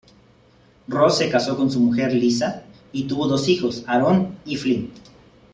Ross se casó con su mujer, Lisa, y tuvo dos hijos, Aaron y Flynn.